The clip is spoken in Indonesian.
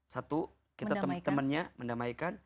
satu kita temennya mendamaikan